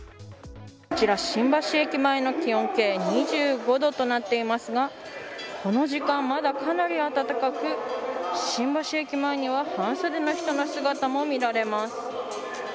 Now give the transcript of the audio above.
こちら新橋駅前の気温計２５度となっていますがこの時間、かなりまだ暖かく新橋駅前には半袖の人の姿も見られます。